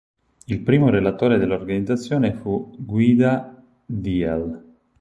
Il primo relatore dell'organizzazione fu Guida Diehl.